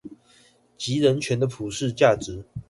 及人權的普世價值